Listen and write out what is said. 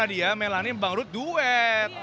atau melani bang rud duet